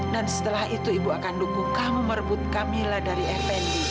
dan setelah itu ibu akan dukung kamu merebut kamila dari effendi